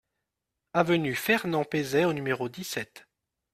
Avenue Fernand Pezet au numéro dix-sept